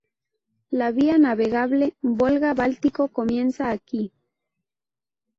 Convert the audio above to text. La vía navegable Volga-Báltico comienza aquí.